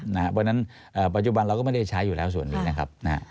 เพราะฉะนั้นปัจจุบันเราก็ไม่ได้ใช้อยู่แล้วส่วนนี้นะครับ